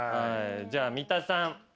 じゃあ三田さん。